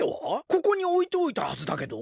ここにおいておいたはずだけど。